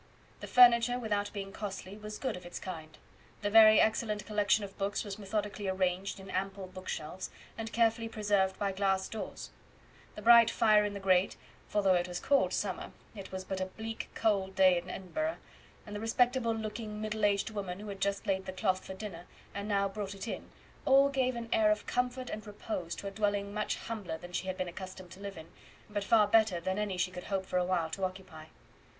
The furniture, without being costly, was good of its kind; the very excellent collection of books was methodically arranged in ample book shelves, and carefully preserved by glass doors; the bright fire in the grate for though it was called summer, it was but a bleak cold day in Edinburgh; and the respectable looking middle aged woman who had just laid the cloth for dinner, and now brought it in; all gave an air of comfort and repose to a dwelling much humbler than she had been accustomed to live in, but far better than any she could hope for a while to occupy.